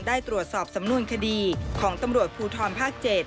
ได้ตรวจสอบสำนวนคดีของตำรวจภูทรภาค๗